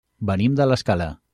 Venim de l'Escala.